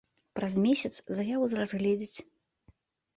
Праз месяц заяву разгледзяць.